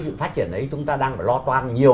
sự phát triển đấy chúng ta đang phải lo toan nhiều